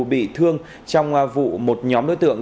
bị thương trong vụ một nhóm đối tượng